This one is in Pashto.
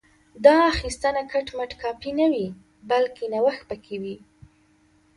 دا اخیستنه کټ مټ کاپي نه وي بلکې نوښت پکې وي